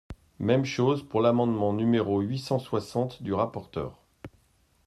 Même chose pour l’amendement numéro huit cent soixante du rapporteur.